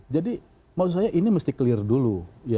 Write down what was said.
jadi maksud saya ini mesti clear dulu